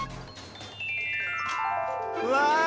うわ！